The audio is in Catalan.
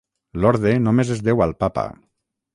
L'Orde només es deu al papa.